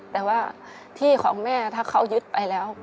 แต่ว่าที่ของแม่ถ้าเขายึดไปแล้ว